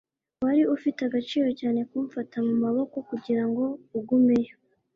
wari ufite agaciro cyane kumfata mumaboko kugirango ugumeyo